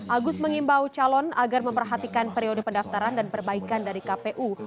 agus mengimbau calon agar memperhatikan periode pendaftaran dan perbaikan dari kpu